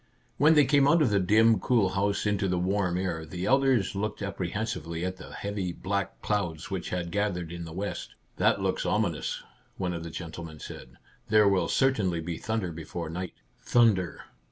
When they came out of the dim, cool house into the warm air, the elders looked appre hensively at the heavy black clouds which had gathered in the west. " That looks ominous," one of the gentle men said. " There will certainly be thunder before night." Thunder